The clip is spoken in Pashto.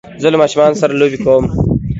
زه له ماشومانو سره لوبی کوم